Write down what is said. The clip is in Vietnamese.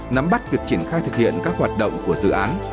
nắm bắt việc triển khai thực hiện các hoạt động của dự án